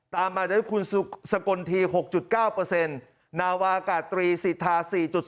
ตามมาด้วยคุณสกลที๖๙นาวากาตรีสิทธา๔๐